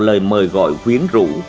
và một lời mời gọi huyến rụ